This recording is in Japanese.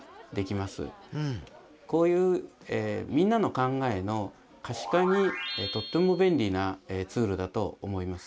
こういうみんなの考えの可視化にとっても便利なツールだと思います。